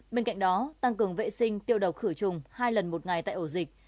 bên cạnh đó tăng cường vệ sinh tiêu độc khử trùng hai lần một ngày tại ổ dịch